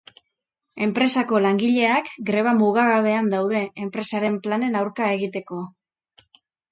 Enpresako langileak greba mugagabean daude, enpresaren planen aurka egiteko.